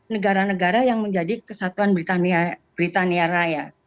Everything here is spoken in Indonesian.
negara negara yang menjadi kesatuan britania raya